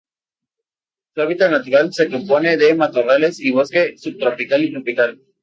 Su hábitat natural se compone de matorrales y bosque subtropical y tropical.